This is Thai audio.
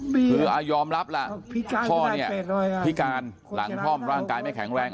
คือยอมรับล่ะพ่อเนี่ยพิการหลังคล่อมร่างกายไม่แข็งแรง